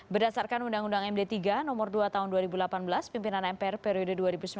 berdasarkan undang undang md tiga nomor dua tahun dua ribu delapan belas pimpinan mpr periode dua ribu sembilan belas dua ribu dua puluh